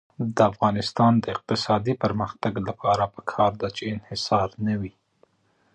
د افغانستان د اقتصادي پرمختګ لپاره پکار ده چې انحصار نه وي.